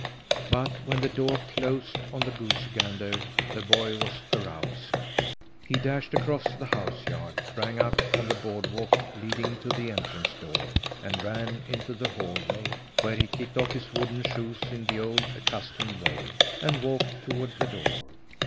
But when the door closed on the goosey gander, the boy was aroused. He dashed across the house yard, sprang up on the board walk leading to the entrance door and ran into the hallway, where he kicked off his wooden shoes in the old accustomed way, and walked toward the door.